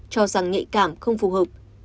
cho rằng nhạy cảm không phù hợp